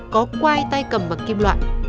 có quai tay cầm bằng kim loại